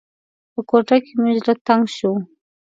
په کوټه کې مې زړه تنګ شو.